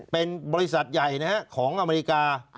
เป็นบริษัทใหญ่ของอเมริกา